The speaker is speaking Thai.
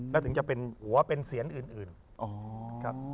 และถึงจะเป็นหัวเป็นเสียงอื่น